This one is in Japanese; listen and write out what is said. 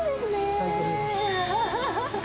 最高です。